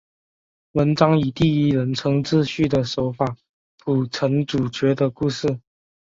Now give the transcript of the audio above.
文章以第一人称自叙的手法铺陈主角的故事。